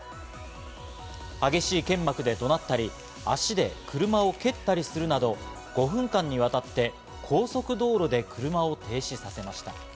激しい剣幕で怒鳴ったり、足で車を蹴ったりするなど５分間にわたって高速道路で車を停止させました。